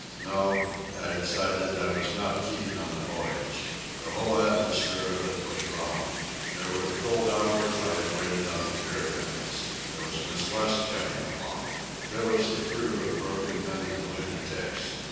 No, I decided I was not keen on the voyage. The whole atmosphere of it was wrong. There were the cold hours I had waited on the pier ends. There was Miss West coming along. There was the crew of broken men and lunatics.